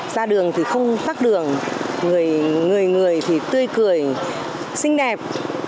ra đường thì không tắt đường người người thì tươi cười xinh đẹp